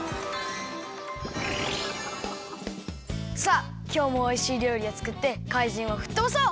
さあきょうもおいしいりょうりをつくってかいじんをふっとばそう！